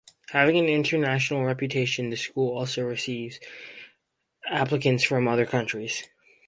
Having an international reputation, the school also receives applications from other countries.